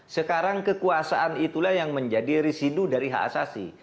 sekarang kekuasaan itulah yang menjadi residu dari hak asasi